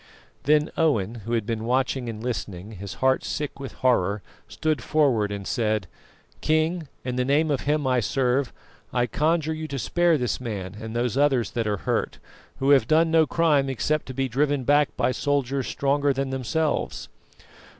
Then Owen, who had been watching and listening, his heart sick with horror, stood forward and said: "King, in the name of Him I serve, I conjure you to spare this man and those others that are hurt, who have done no crime except to be driven back by soldiers stronger than themselves."